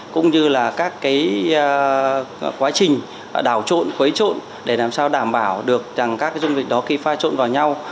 cũng như là các cái quá trình đảo trộn khuấy trộn để làm sao đảm bảo được rằng các cái dung dịch đó khi pha trộn vào nhau